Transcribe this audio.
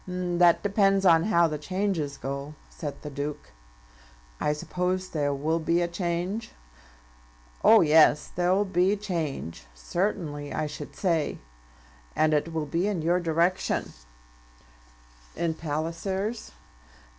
"That depends on how the changes go," said the Duke. "I suppose there will be a change?" "Oh yes; there'll be a change, certainly, I should say. And it will be in your direction." "And in Palliser's?"